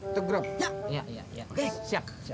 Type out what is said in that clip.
tempe yang saya